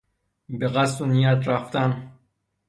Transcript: به قصد و نیت رفتن